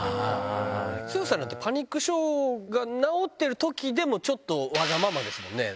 剛さんなんて、パニック症が治ってるときでも、ちょっとわがままですもんね。